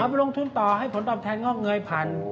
ไปลงทุนต่อให้ผลตอบแทนงอกเงยผ่าน